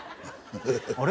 あれ？